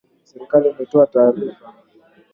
Serikali imetoa taarifa